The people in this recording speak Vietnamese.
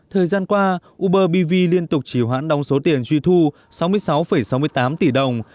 thời gian qua uber biv liên tục chỉ hoãn đồng số tiền truy thu sáu mươi sáu sáu mươi tám tỷ đồng